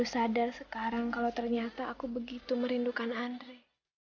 sadar sekarang kalau ternyata aku begitu merindukan andre